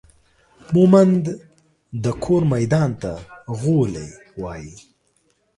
مومند دا کور ميدان ته غولي وايي